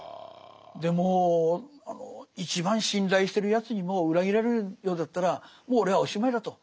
でもう一番信頼してるやつにも裏切られるようだったらもう俺はおしまいだと。